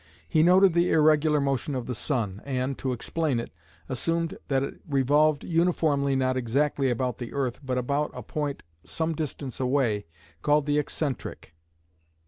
He noted the irregular motion of the sun, and, to explain it, assumed that it revolved uniformly not exactly about the earth but about a point some distance away, called the "excentric".